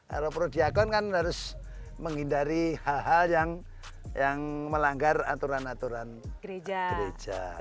kalau prodiakon kan harus menghindari hal hal yang melanggar aturan aturan gereja